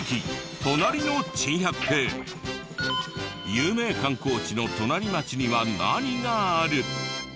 有名観光地の隣町には何がある？